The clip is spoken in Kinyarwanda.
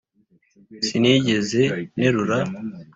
sinigeze nterura